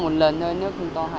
nhiều người dùng trên nhà